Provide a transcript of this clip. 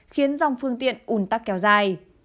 khiến dòng phương tiện ùn tắc kéo dài